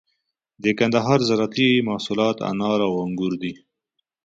د کندهار زراعتي محصولات انار او انگور دي.